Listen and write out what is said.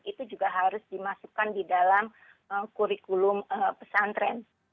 itu juga harus dimasukkan di dalam kurikulum pesantren